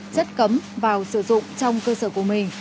chất cấm vào sử dụng trong cơ sở của mình